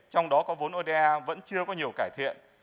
trong đó có vốn oda vẫn chưa có nhiều cải thiện